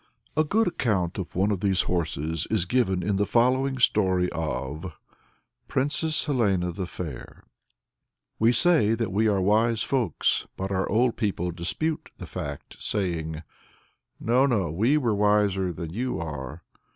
A good account of one of these horses is given in the following story of PRINCESS HELENA THE FAIR. _We say that we are wise folks, but our old people dispute the fact, saying: "No, no, we were wiser than you are."